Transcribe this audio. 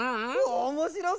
おもしろそう！